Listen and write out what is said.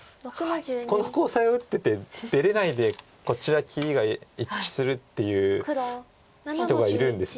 このコウ材打ってて出れないでこちら切りが一致するっていう人がいるんですね。